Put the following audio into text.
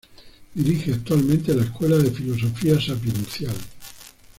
Dirige actualmente la Escuela de Filosofía Sapiencial.